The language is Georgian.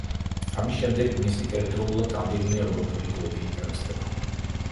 ამის შემდეგ მისით ერთდროულად რამდენიმე ევროპული კლუბი ინტერესდება.